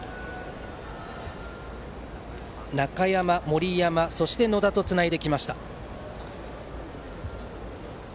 中山、森山、そして野田とつないできました。